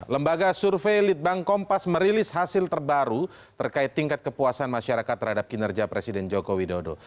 lembaga survei litbang kompas merilis hasil terbaru terkait tingkat kepuasan masyarakat terhadap kinerja presiden joko widodo